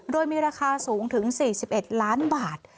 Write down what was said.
โดยมีราคาสูงถึง๔๑ล้านบาท